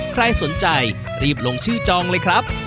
ใครสนใจรีบลงชื่อจองเลยครับ